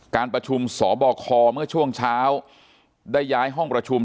การประชุมสบคเมื่อช่วงเช้าได้ย้ายห้องประชุม